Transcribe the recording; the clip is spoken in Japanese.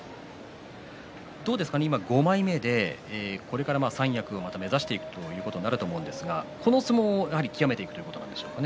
どうですか、今５枚目でこれから三役を目指していくということになると思うんですがこの相撲を、やはり究めていくということでしょうか。